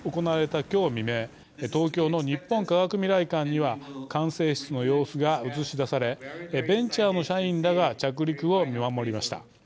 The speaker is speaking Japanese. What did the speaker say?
東京の日本科学未来館には管制室の様子が映し出されベンチャーの社員らが着陸を見守りました。